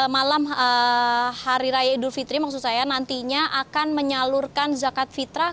malam hari raya idul fitri maksud saya nantinya akan menyalurkan zakat fitrah